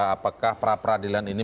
apakah pra peradilan ini